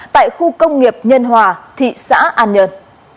tại khu công nghiệp nhân hòa thị xã an nhơn